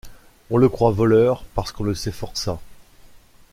On le croit voleur parce qu’on le sait forçat.